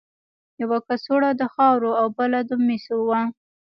یوه کڅوړه د خاورو او بله د مسو وه.